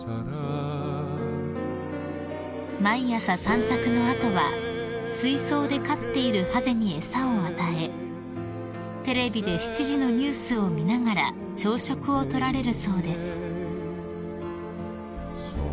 ［毎朝散策の後は水槽で飼っているハゼに餌を与えテレビで７時のニュースを見ながら朝食を取られるそうです］